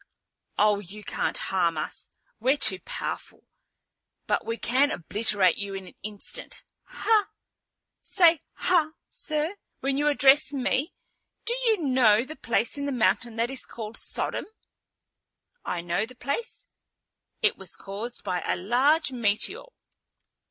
"Oh, you can't harm us. We're too powerful. But we can obliterate you in an instant." "Hah!" "Say 'Hah, sir' when you address me. Do you know the place in the mountain that is called Sodom?" "I know the place. It was caused by a large meteor."